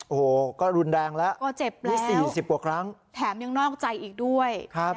โอ้โหก็รุนแรงแล้วก็เจ็บเลยสี่สิบกว่าครั้งแถมยังนอกใจอีกด้วยครับ